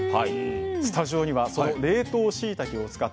スタジオにはその冷凍しいたけを使ったお料理